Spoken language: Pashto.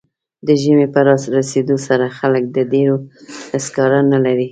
د ژمي په رارسیدو سره خلک د ډبرو سکاره نلري